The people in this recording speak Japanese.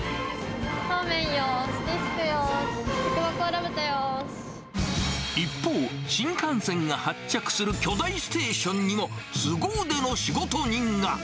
踏面よし、ディスクよし、一方、新幹線が発着する巨大ステーションにもすご腕の仕事人が。